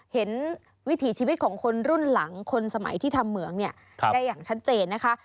เห็นวิถีชีวิตของคนรุ่นหลังคนสมัยที่ทำเหมืองเนี่ยได้อย่างชัดเจนนะคะ